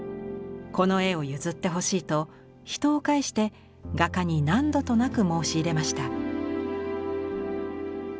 この絵を譲ってほしいと人を介して画家に何度となく申し入れました。